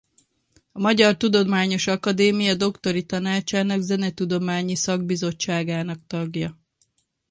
A Magyar Tudományos Akadémia Doktori Tanácsának zenetudományi szakbizottságának tagja.